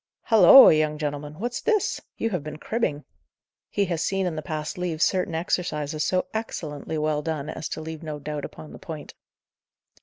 "Halloa, young gentleman! what's this! You have been cribbing." He had seen in the past leaves certain exercises so excellently well done as to leave no doubt upon the point.